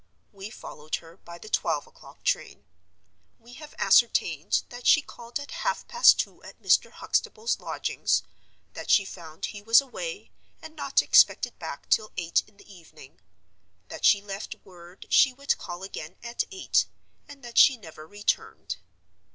We followed her by the twelve o'clock train. We have ascertained that she called at half past two at Mr. Huxtable's lodgings; that she found he was away, and not expected back till eight in the evening; that she left word she would call again at eight; and that she never returned.